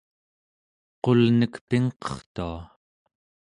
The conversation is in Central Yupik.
qulnek pingqertua